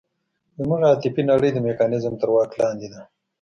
زموږ عاطفي نړۍ د میکانیزم تر واک لاندې ده.